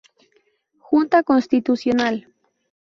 Junta Constitucional".